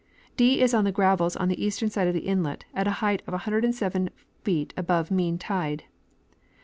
D is on the gravels on the eastern side of the inlet, at a height of 107 feet above mean tide.